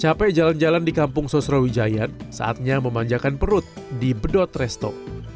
capek jalan jalan di kampung sosrawijayan saatnya memanjakan perut di bedot resto